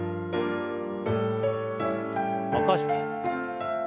起こして。